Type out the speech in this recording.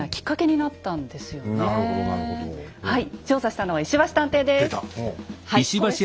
調査したのは石橋探偵です。